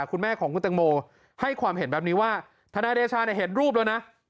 คุณแม่ของคุณตังโมให้ความเห็นแบบนี้ว่าทนายเดชาเนี่ยเห็นรูปแล้วนะ